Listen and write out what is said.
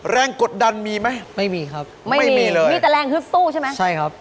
กดดันมีไหมไม่มีครับไม่มีเลยมีแต่แรงฮึดสู้ใช่ไหมใช่ครับ